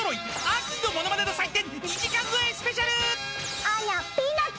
秋のものまねの祭典２時間超えスペシャル！